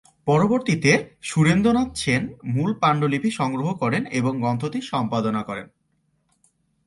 পরবর্তীতে, সুরেন্দ্রনাথ সেন মূল পাণ্ডুলিপি সংগ্রহ করেন ও গ্রন্থটি সম্পাদনা করেন।